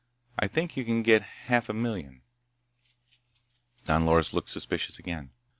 I think you can get half a million." Don Loris looked suspicious again.